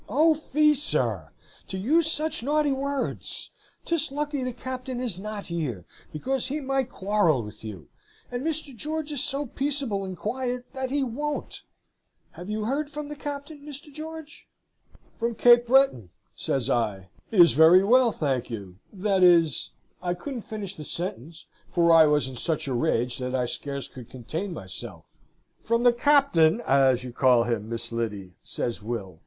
'O fie, sir! to use such naughty words. 'Tis lucky the Captain is not here, because he might quarrel with you; and Mr. George is so peaceable and quiet, that he won't. Have you heard from the Captain, Mr. George?' "'From Cape Breton,' says I. 'He is very well, thank you; that is ' I couldn't finish the sentence, for I was in such a rage that I scarce could contain myself. "'From the Captain, as you call him, Miss Lyddy,' says Will.